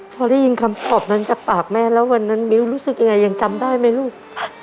พอได้ยินคำตอบนั้นจากปากแม่แล้ววันนั้นมิ้วรู้สึกยังไงยังจำได้ไหมลูก